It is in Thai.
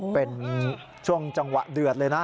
เป็นช่วงจังหวะเดือดเลยนะ